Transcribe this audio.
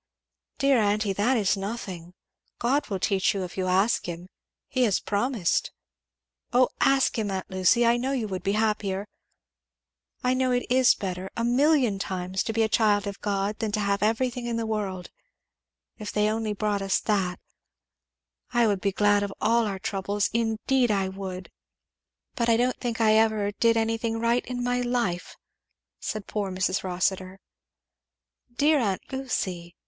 "Dear aunty! that is nothing God will teach you if you ask him; he has promised. Oh ask him, aunt Lucy! I know you would be happier! I know it is better a million times! to be a child of God than to have everything in the world If they only brought us that, I would be very glad of all our troubles! indeed I would!" "But I don't think I ever did anything right in my life!" said poor Mrs. Rossitur. "Dear aunt Lucy!"